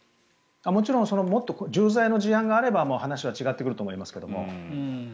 もちろんもっと重罪な事案があれば話は違ってくると思いますが。